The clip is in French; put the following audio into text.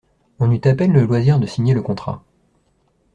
On eut à peine le loisir de signer le contrat.